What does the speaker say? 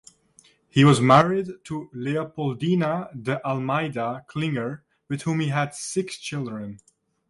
He was married to Leopoldina de Almeida Klinger with whom he had six children.